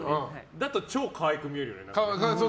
だとすごい可愛く見えるよね。